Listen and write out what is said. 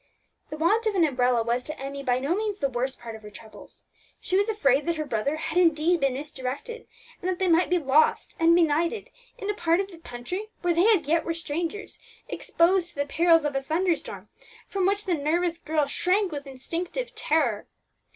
The want of an umbrella was to Emmie by no means the worst part of her troubles; she was afraid that her brother had indeed been misdirected, and that they might be lost and benighted in a part of the country where they as yet were strangers, exposed to the perils of a thunderstorm, from which the nervous girl shrank with instinctive terror.